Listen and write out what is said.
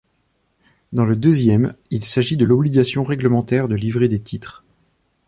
Dans le deuxième, il s'agit de l'obligation réglementaire de livrer des titres.